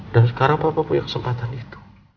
dan sekarang papa punya kesempatan itu